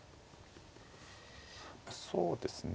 そうですね